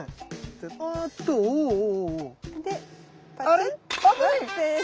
あれ？